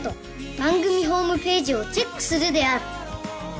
番組ホームページをチェックするである